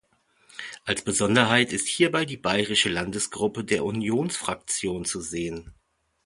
Als Besonderheit ist hierbei die bayerische Landesgruppe der Unionsfraktion zu sehen.